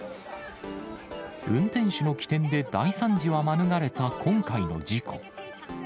運転手の機転で大惨事は免れた今回の事故。